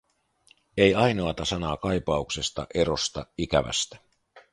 Ei ainoata sanaa kaipauksesta, erosta, ikävästä.